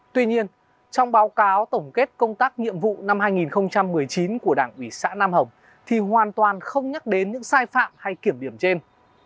tuy nhiên trong báo cáo tổng kết công tác nhiệm vụ năm hai nghìn một mươi chín của đảng ủy xã nam hồng thì hoàn toàn không nhắc đến những sai phạm hay kiểm điểm trên